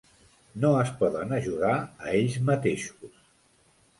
No es poden ajudar a ells mateixos.